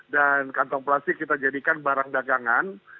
dan kantong plastik kita jadikan barang dagangan